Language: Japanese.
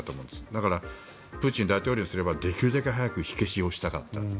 だからプーチン大統領にすればできるだけ早く火消しをしたかった。